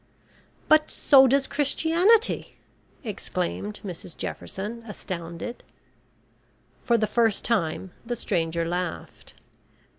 "But so does Christianity," exclaimed Mrs Jefferson astounded. For the first time the stranger laughed.